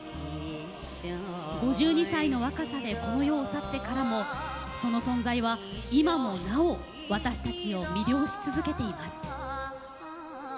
５２歳の若さでこの世を去ってからもその存在は今もなお私たちを魅了し続けています。